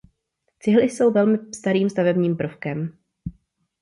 Cihly jsou velmi starým stavebním prvkem.